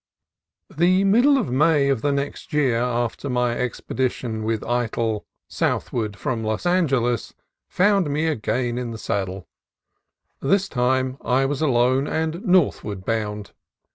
The middle of May of the next year after my expedition with Eytel southward from Los Angeles found me again in the saddle. This time I was alone, and northward bound.